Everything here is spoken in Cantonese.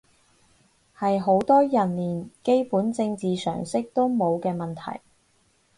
係好多人連基本政治常識都冇嘅問題